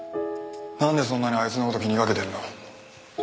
なんでそんなにあいつの事気にかけてるの？